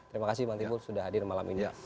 terima kasih bang timbul sudah hadir malam ini